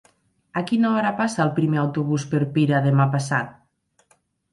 A quina hora passa el primer autobús per Pira demà passat?